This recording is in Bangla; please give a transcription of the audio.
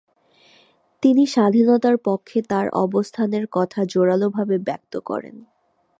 তিনি স্বাধীনতার পক্ষে তার অবস্থানের কথা জোড়ালোভাবে ব্যক্ত করেন।